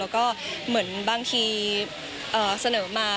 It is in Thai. ก็เหมือนบางทีเสนอมา